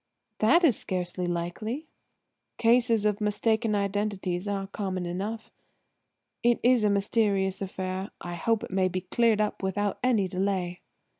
"That is scarcely likely." "Cases of mistaken identity are common enough. It's a mysterious affair; I hope it may be cleared up without any delay."